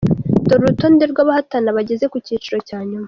Dore urutonde rw’abahatana bageze ku cyiciro cya nyuma:.